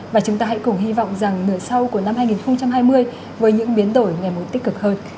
và chúng ta hãy cùng hy vọng rằng nửa sau của năm hai nghìn hai mươi với những biến đổi ngày một tích cực hơn